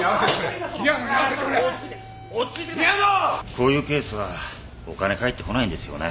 こういうケースはお金返ってこないんですよね。